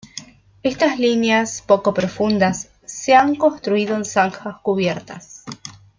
Estas líneas, poco profundas, se han construido en zanjas cubiertas.